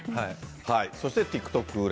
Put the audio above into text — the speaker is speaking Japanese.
そしてＴｉｋＴｏｋ売れ。